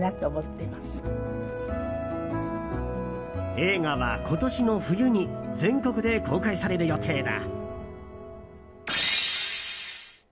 映画は今年の冬に全国で公開される予定だ。